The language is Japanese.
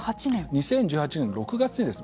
２０１８年の６月です。